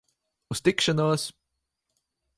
Uz tikšanos!